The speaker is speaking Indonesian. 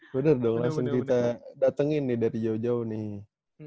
bener dong langsung kita datengin nih dari jauh jauh nih